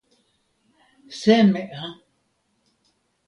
seme a?